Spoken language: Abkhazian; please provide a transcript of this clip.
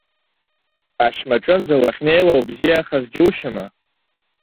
Ашьмаҿынӡа уахьнеиуа, убзиахаз џьушьама?